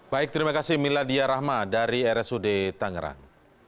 baik terima kasih miladia rahma dari rsud tangerang